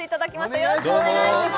よろしくお願いします